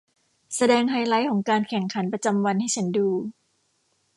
แสดงไฮไลท์ของการแข่งขันประจำวันให้ฉันดู